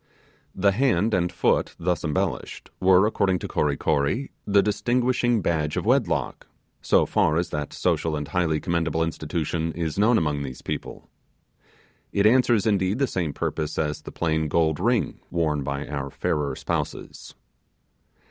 The hand and foot thus embellished were, according to Kory Kory, the distinguishing badge of wedlock, so far as that social and highly commendable institution is known among those people. It answers, indeed, the same purpose as the plain gold ring worn by our fairer spouses.